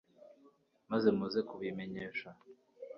maze muze kubimenyesha